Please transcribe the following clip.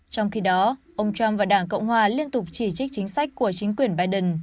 trong khi đó ông trump và đảng cộng hòa liên tục chỉ trích chính sách của chính quyền biden